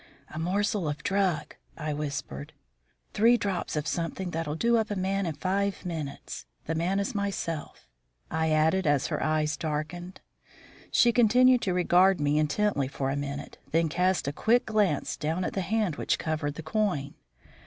"A morsel of drug," I whispered. "Three drops of something that'll do up a man in five minutes. The man is myself," I added, as her eye darkened. She continued to regard me intently for a minute; then cast a quick glance down at the hand which covered the coin.